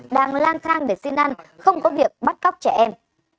đang lan thang để xin ăn không có việc bắt cắp trẻ em